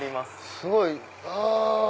すごい！